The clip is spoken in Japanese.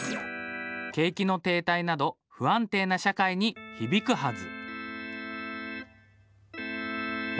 景気の停滞など不安定な社会に響くはず